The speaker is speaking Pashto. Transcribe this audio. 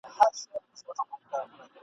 ساندي ګډي په بلبلو په باغوان اعتبار نسته !.